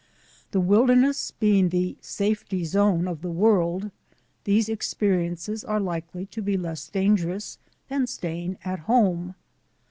The wilderness being the safety zone of the world these experiences are likely to be less dangerous than staying at home.